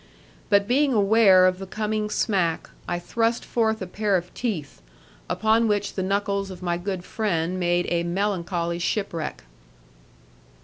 But being aware of the coming smack, I thrust forth a pair of teeth; upon which the knuckles of my good friend made a melancholy shipwreck.